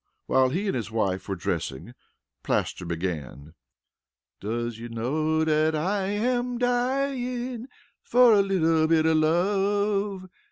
While he and his wife were dressing, Plaster began: "Does you know dat I am dyin' Fer a little bit of love?